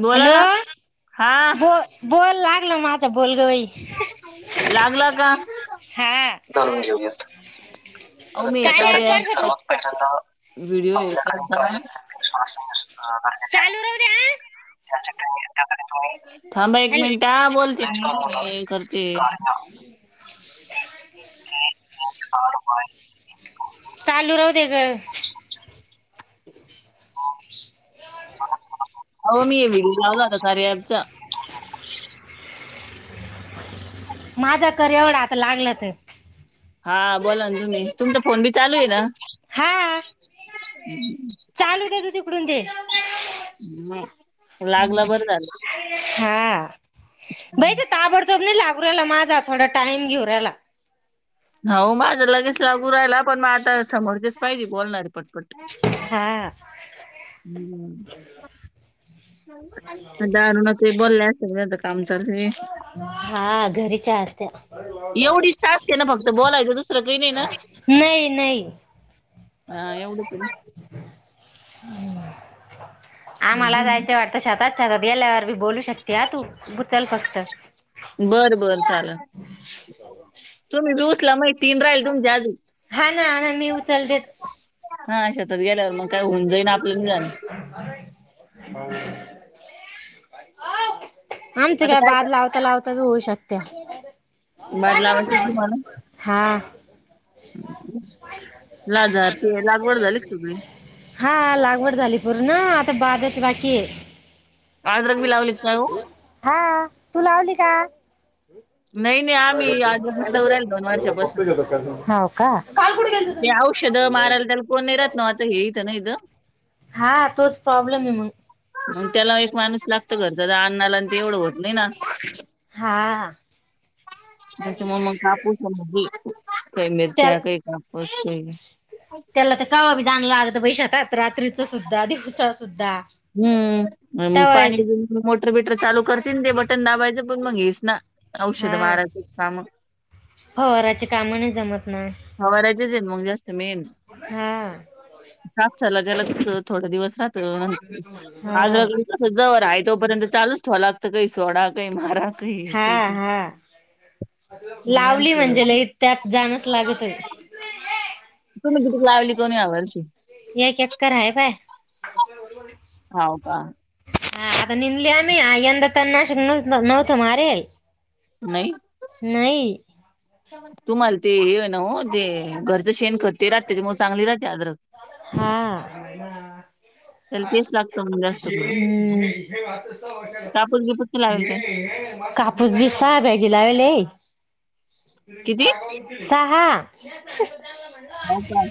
बोला हॅलो ना हा हो बोल लागल मझ बोलग लागला हा काून घेऊ [inaudible] कार्या ॲप वरच तू व्हिडिओ चालू राहू दे हा थांबा एक हॅलो मिनिट बोलते करते चालू राह दे ग हो मी हे व्हिडिओ लावला आता खे ॲपचा माझा कर एवढा आता लागलं ते हा बोला ना तुम्ही तुमचा फोन बी चालू आहे ना हा चालू दे तू तिकडून ते लागलं बरं झालं हा बईच ताबडतोब नाही लागू रला माझा थोडा टाइम घेऊ राला हो माझं लगेच लागू राहिला पण मग आता समोर तेच पाहिजे बोलणारी पटपट हा हम्म दारुण ते बोलल्यागता काम चालू हा घरीच्या असत्या एवढीच तास के ना फक्त बोलायचं दुसरं काही नाही ना नाही नाही हा एवढंच ना आ मला ना जायचं वाट तश आातातातात गल्यावर मी बोलू शकते हा तू उचल फक्त बरं बर चालं तुम्ही बी सला माहिती तीन राहील तुमच्या अजून हा ना ह मी उचलतेच हा शतात गेल्यावर मग काय होऊन जाईन आपलं म जाण हो आमच काय बाद लावता लावता होऊ शकत्या कर- बाद लावायची का हा ला जा ते लागवड झाली सगळी हा लागवड झाली पूर्ण आता बादच बाकी आहे अद्रक बी लावली का काय हो हा तू लावली का नाही नाही का आम्ही अद्रक लावू राहील दोन वर्षापासून काल कुट गेलता तुम्ही कोणनराात नव आता हेयत ना इ हा तोच प्रॉब्लेम आहे मग मग त्याला एक माणूस लागत करता अण्णाला आणि ते एवढं होत नाही ना हा त्याच्या मग मग कापूस म्ह काही त्या मिरच्या काही कापूस त्याला तर कवा बी जागला लागत पैशातात रात्रीच सुद्धा दिवसा सुद्धा हम्म तवा पाणी येते मोटर बिटर चालू करतील ते बटन दाबायचं पण मग येस ना औषध माराज काम हो रची कामण जमत ना हवडाचेच आहेत मग जास्त मेन हा कापसा लगायलाच थोडा दिवस राहत आज हा जव आहे तोपर्यंत चालूच ठेवावालागतं काही सोडा का मारात हा काही त हा म लावली म्हणजे लई त्यात जाणच लागत आहे तुम्ही किती लावली कोणी यावलशी ये चक्कर हय बाय हो का हा आता निली आम्ही अयंदा तनाशक न नव्हत मारेल नाही नाही तुम्हाला ते हे ना हो ते घरचं शेण खतते राहते ते मग चांगली राहते आद्रक हा त्याला तेच लागतं मग जास्त हे करून हे वाता कापूस बिपूस नाही लावेल काय वाटला. कापूच विसाा बेगला वले किती सहा हो का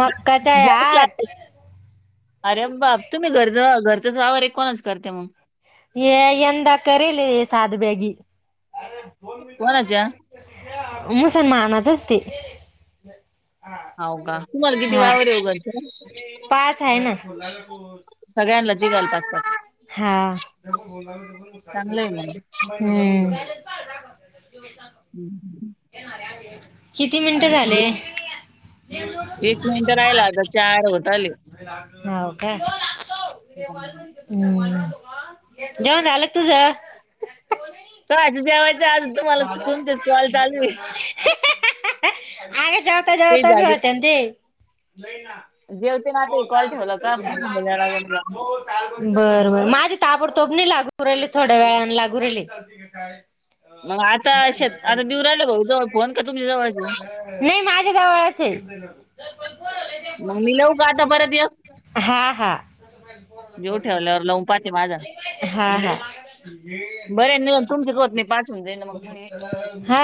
मक्काच्या जास्त आठ लागते. अरे अ बा तुम्ही घरज घरचाच वावर एक कोणच करते मग ये यंदा करील साध बेगी को राजा मुसलमानाच अस ते हाव का तुम्हाला किती हा वावर येऊ घरचं पाच आहे ना सगळ्यांना तिघाला पाच पाच हा ज बला ला त चांगलं आहे मग म हम्म ह किती मिनिट झाले एक ननंतर राहिला आता चार होतले ह ओके हम् जेवण आलंग तुझ तो आज जेयचा आज तु मला चुकून कॉल चालू आहे आगे जाऊत काही जाऊत बी झाडे होते ते नाही ना जेवते ना हो आता कॉल ठेवला का कालपण पूर्ण बोलायला लागेल का? हो बर बर माझे ताबडतोबणी लागू राहिले थोड्या वेळाने लागू राहिले मग आता अश आता दिऊ राहिलं गऊ जवळ फोन का तुमच्या जवळ नाही माझ्या जवळचे मग मी लावू का आता परत हा एक हा देऊ ठेवल्यावर लावून पाहते हा माझा हा बरे नाही तुमचे होत नाही हे पाच होऊन जाईन मग म्हणे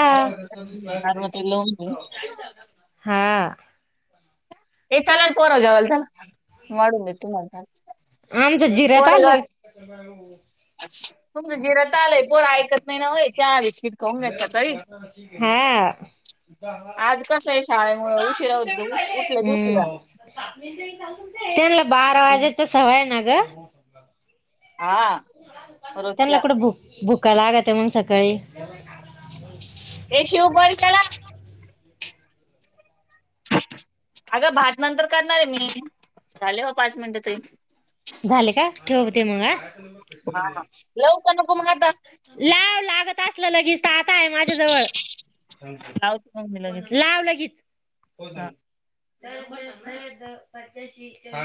ए हा हा ते चाल पराजवाल झा मून देतु म झा आमचं जिरत आलं. तुमचं जिरात आलाय पोर ऐकत नाही ना याच्या फिट खाऊन घ्यायचा तरी हा आज कसं आहे शाळेमुळे उशिरा होते उठलेच हम्म उशिरा ् त्यांला बारा वाजेचा सवय ना ग हा त्यांनला रोजच्या कुडं भुक भुकला आगत म्हन सकाळी ए शिव बर त्याला अगं भात नंतर करढणार आहे मी झाले हो पाच मिनिट तरी झाले का ठेवते मग हा लवकर नकु मार लाव लागत असलं लगेच आता आहे माझ्या जवळ लावते मग मी लगेच लाव लगीच हा प्रतक्ष